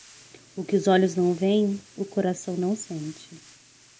O que os olhos não veem, o coração não sente